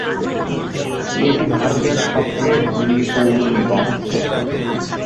এটি ভারতের সবচেয়ে ধনী পৌর নিগম।